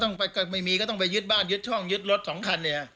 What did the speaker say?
ถ้าใช้ไปแล้วก็ไม่มีก็ต้องไปยึดบ้านยึดช่องยึดรถ๒คัน